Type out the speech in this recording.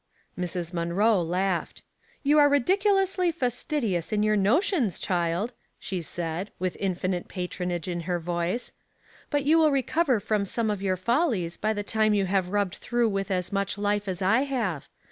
" Mrs. Munroe laughed. "You are ridiculously fastidious in your no* tions, child," she said, with infinite patronage in her voice ;" but you will recover from some of your follies by the time you have rubbed through with as much life as I have.